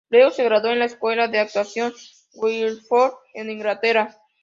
Luego se graduó de la Escuela de Actuación Guildford en Inglaterra.